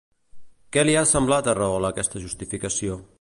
Què li va semblar a Rahola aquesta justificació?